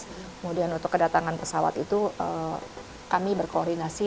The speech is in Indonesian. kemudian untuk kedatangan pesawat itu kami berkoordinasi